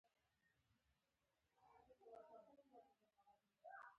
استاد د راتلونکو مشرانو جوړوونکی دی.